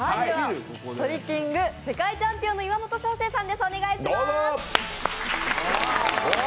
トリッキング世界チャンピオンの岩本将成さんです。